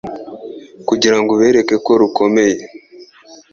Kugirango ubereke ko rukomeye